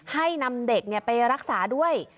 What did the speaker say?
ให้นำเด็กไปรักษาด้วย